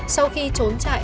sau khi trốn trại